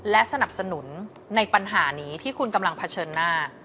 และสนับสนุนในปัญหานี้ที่คุณกำลังเผชิญหน้า